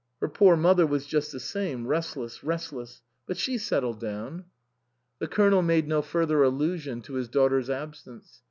Her poor mother was just the same restless, restless. But she settled down." 126 INLAND The Colonel made no further allusion to his daughter's absence.